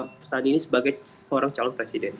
sebagai seorang calon presiden